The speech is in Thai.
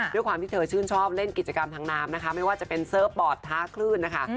ด้วยความที่เธอชื่นชอบเล่นกิจกรรมทางน้ำนะคะไม่ว่าจะเป็นเซิร์ฟบอร์ดท้าคลื่นนะคะ